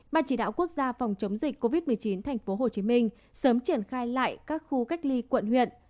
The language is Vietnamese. ban chỉ đạo quốc gia phòng chống dịch covid một mươi chín tp hcm sớm triển khai lại các khu cách ly quận huyện